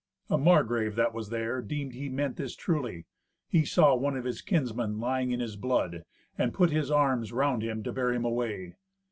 A Margrave that was there deemed he meant this truly. He saw one of his kinsmen lying in his blood, and put his arms round him to bear him away.